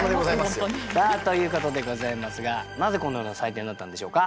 本当に。ということでございますがなぜこのような採点になったんでしょうか？